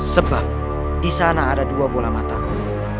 sebab disana ada dua bola mataku